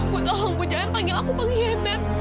bu tolong bu jangan panggil aku pengkhianat